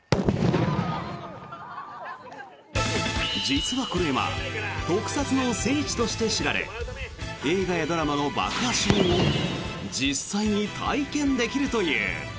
実はこの山特撮の聖地として知られ映画やドラマの爆破シーンを実際に体験できるという。